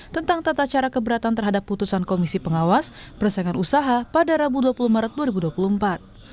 tentang tata cara keberatan terhadap putusan komisi pengawas persaingan usaha pada rabu dua puluh maret dua ribu dua puluh empat